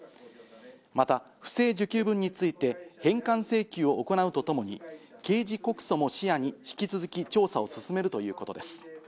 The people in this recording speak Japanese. また不正受給分について、返還請求を行うとともに、刑事告訴も視野に引き続き調査を進めるということです。